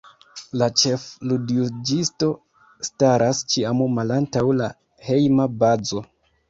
La ĉef-ludjuĝisto staras ĉiam malantaŭ la Hejma Bazo.